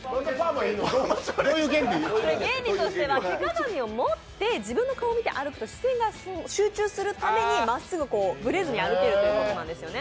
原理としては、手鏡を持って自分の顔を見ると、視線が集中するためにまっすぐブレずに歩けるということなんですよね。